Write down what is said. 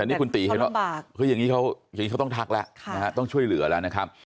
นี่คุณตีเห็นว่าคืออย่างนี้เขาต้องทักแล้วต้องช่วยเหลือแล้วนะครับ